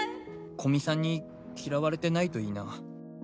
古見さんに嫌われてないといいな。